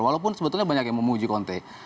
walaupun sebetulnya banyak yang memuji konten